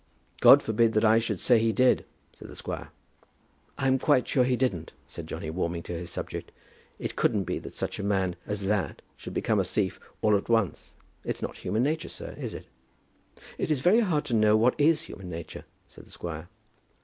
"God forbid that I should say he did," said the squire. "I'm quite sure he didn't," said Johnny, warming to his subject. "It couldn't be that such a man as that should become a thief all at once. It's not human nature, sir; is it?" "It is very hard to know what is human nature," said the squire.